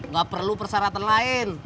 gak perlu persyaratan lain